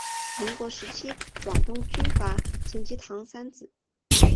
民国时期广东军阀陈济棠三子。